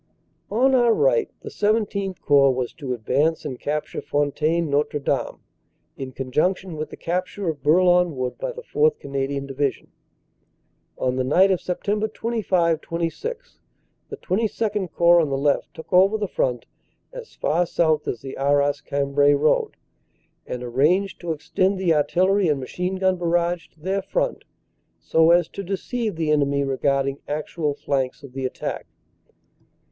"On our right the XVII Corps was to advance and capture Fontaine Notre Dame, in conjunction with the capture of Bourlon Wood by the 4th. Canadian Division. "On the night of Sept. 25 26 the XXII Corps on the left THE PLAN OF ATTACK 205 took over the front as far south as the Arras Cambrai road, and arranged to extend the Artillery and Machine Gun bar rage to their front so as to deceive the enemy regarding actual flanks of the attack.